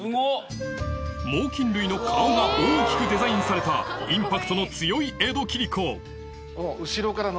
猛きん類の顔が大きくデザインされたインパクトの強い江戸切子うお！